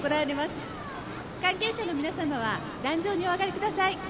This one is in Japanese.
関係者の皆様は壇上にお上がりください。